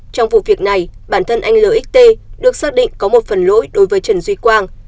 trong vụ việc này bản thân anh lợi ích được xác định có một phần lỗi đối với trần duy quang